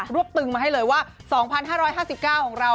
วบตึงมาให้เลยว่า๒๕๕๙ของเรา